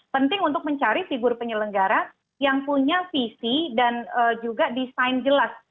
penting untuk mencari figur penyelenggara yang punya visi dan juga desain jelas